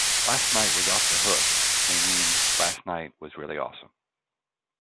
"Last night was off-the-hook" may mean "last night was really awesome".